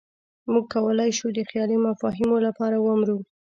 موږ کولی شو د خیالي مفاهیمو لپاره ومرو.